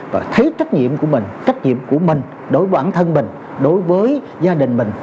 và thấy trách nhiệm của mình trách nhiệm của mình đối với bản thân mình đối với gia đình mình